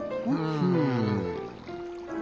うん？